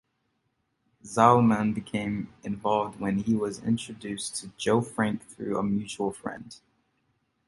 Zalman became involved when he was introduced to Joe Frank through a mutual friend.